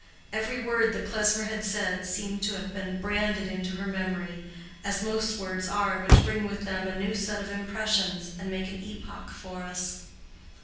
Every word that Klesmer had said seemed to have been branded into her memory, as most words are which bring with them a new set of impressions and make an epoch for us.